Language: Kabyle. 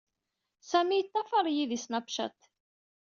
Sami yeṭṭafaṛ-iyi di Snapchat.